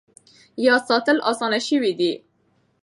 یاد ساتل اسانه شوي دي.